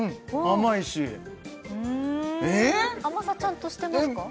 甘さちゃんとしてますか？